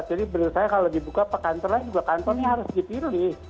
jadi menurut saya kalau dibuka kantor kantornya harus dipilih